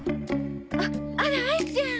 あっあらあいちゃん。